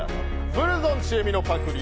ブルゾンちえみのパクリ